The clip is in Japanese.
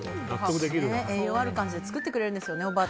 ごはんも栄養ある感じで作ってくれるんですよね